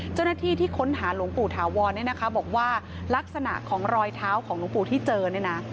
เจ้าหน้าที่ที่ค้นหาหลวงปู่ถาวรเนี่ยนะคะบอกว่าลักษณะของรอยเท้าของหลวงปู่ที่เจอเนี่ยนะ